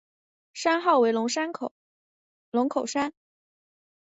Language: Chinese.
山号为龙口山。